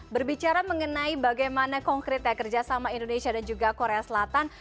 berbicara mengenai bagaimana konkretnya kerjasama indonesia dan juga korea selatan